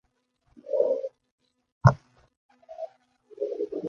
Walker's speed and agility on the court earned him the nickname Chet the Jet.